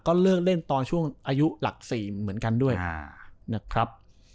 เลิกเล่นตอนช่วงอายุหลัก๔เหมือนกันด้วยนะครับ